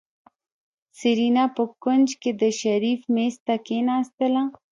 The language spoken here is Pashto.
سېرېنا په کونج کې د شريف مېز ته کېناستله.